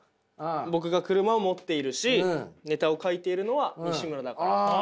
僕が車を持っているしネタを書いているのはにしむらだから。